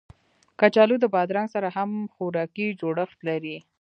کچالو د بادرنګ سره هم خوراکي جوړښت لري